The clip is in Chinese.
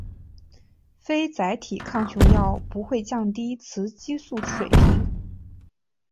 非甾体抗雄药不会降低雌激素水平。